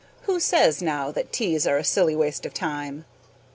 (Who says now that teas are a silly waste of time?)